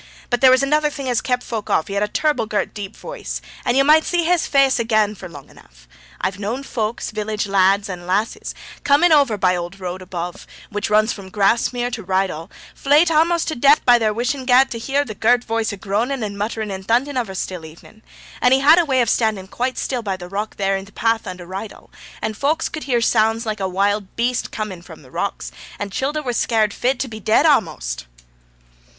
But there was another thing as kep' folk off, he had a ter'ble girt deep voice, and ye might see his faace agaan for long enuff. I've knoan folks, village lads and lasses, coming over by old road above, which runs from Grasmere to Rydal, flayt a'most to death there by Wishing Gaate to hear the girt voice a groanin' and mutterin' and thunderin' of a still evening. And he had a way of standin' quite still by the rock there in t' path under Rydal, and folks could hear sounds like a wild beast coming from the rocks, and childer were scared fit to be dead a'most.'